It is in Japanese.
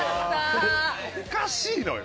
おかしいのよ。